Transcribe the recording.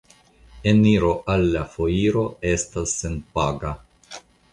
Eniro al la foiro estas senpaga.